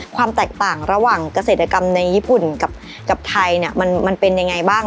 ความแตกต่างระหว่างเกษตรกรรมในญี่ปุ่นกับไทยมันเป็นยังไงบ้าง